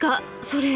それ。